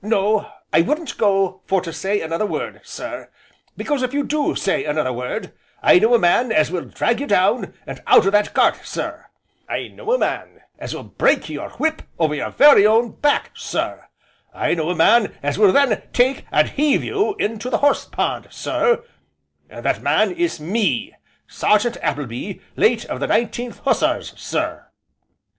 "No, I wouldn't go for to say another word, sir; because, if ye do say another word, I know a man as will drag you down out o' that cart, sir, I know a man as will break your whip over your very own back, sir, I know a man as will then take and heave you into the horse pond, sir, and that man is me Sergeant Appleby, late of the Nineteenth Hussars, sir."